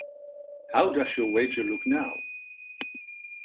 How does your wager look now.